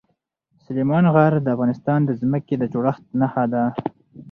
سلیمان غر د افغانستان د ځمکې د جوړښت نښه ده.